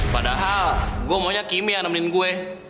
padahal gue maunya kimi yang nemenin gue